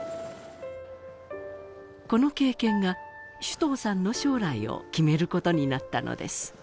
この経験が首藤さんの将来を決めることになったのです